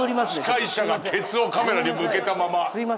司会者がケツをカメラに向けたまま。